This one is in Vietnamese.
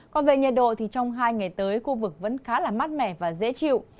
còn về nhiệt độ thì trong hai ngày tới khu vực vẫn khá là mát mẻ và dễ chịu